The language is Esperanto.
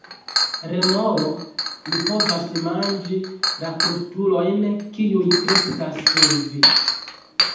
Remoro: "Mi povas manĝi la krustulojn kiuj kreskas sur vi."